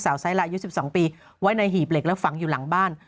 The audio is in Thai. ไซลายุด๑๒ปีไว้ในหีบเหล็กแล้วฝังอยู่หลังบ้าน